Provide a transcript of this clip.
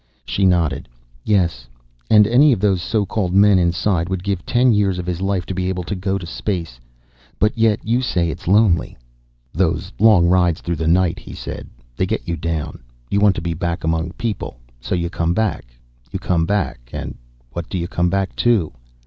She nodded. "Yes. And any of those so called men inside would give ten years of his life to be able to go to space. But yet you say it's lonely." "Those long rides through the night," he said. "They get you down. You want to be back among people. So you come back. You come back. And what do you come back to?"